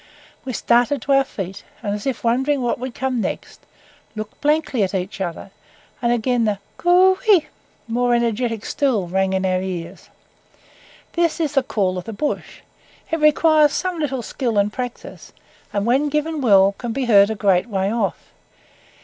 We started to our feet, and, as if wondering what would come next, looked blankly at each other, and again the "coo ey," more energetic still, rang in our ears. This is the call of the bush, it requires some little skill and practice, and when given well can be heard a great way off.